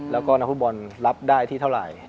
แล้วก็นักฟุตบอลรับได้ที่เท่าไหร่